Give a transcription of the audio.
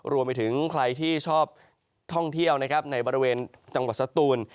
รวมไปถึงใครที่ชอบท่องเที่ยวนะครับในบริเวณจังหวัดสตูน